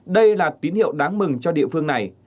đây là tín hiệu đáng mừng cho địa phương này